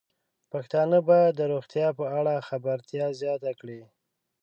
پښتانه بايد د روغتیا په اړه خبرتیا زياته کړي.